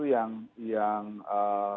itu yang seharusnya menjadi landasan